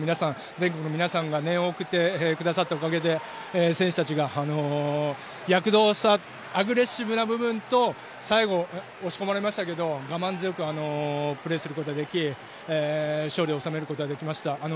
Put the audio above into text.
全国の皆さんが念を送ってくださったおかげで選手たちが躍動したアグレッシブな部分と最後、押し込まれましたけど我慢強くプレーすることができ勝利を収めることができました。